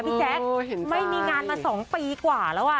พี่แจ๊คไม่มีงานมา๒ปีกว่าแล้ว